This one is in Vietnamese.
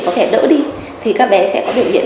có thể đỡ đi thì các bé sẽ có biểu hiện